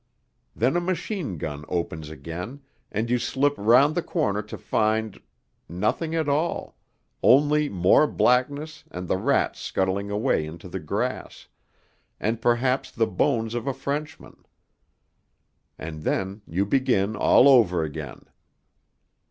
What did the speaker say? Then a machine gun opens again, and you slip round the corner to find nothing at all, only more blackness and the rats scuttling away into the grass, and perhaps the bones of a Frenchman. And then you begin all over again....